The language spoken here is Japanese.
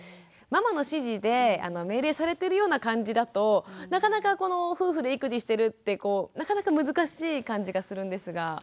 ママの指示で命令されてるような感じだとなかなか夫婦で育児してるってこうなかなか難しい感じがするんですが。